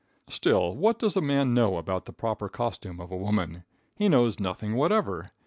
Still, what does a man know about the proper costume of a woman? He knows nothing whatever.